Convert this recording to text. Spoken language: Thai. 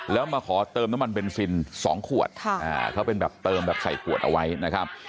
แล้วมาขอเติมน้ำมันเบนซิน๒ขวดเขาเป็นแบบเติมแบบใส่ขวดเอาไว้นะครับ